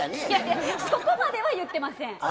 いやいやそこまでは言ってません。